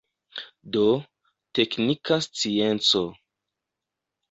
Do, teknika scienco.